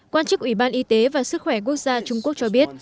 quan chức ủy ban y tế và sức khỏe quốc gia trung quốc cho biết